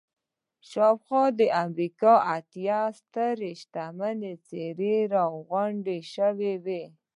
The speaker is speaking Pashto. شاوخوا د امريکا اتيا سترې شتمنې څېرې را غونډې شوې وې.